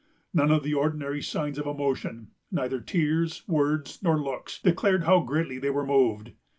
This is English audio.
None of the ordinary signs of emotion, neither tears, words, nor looks, declared how greatly they were moved.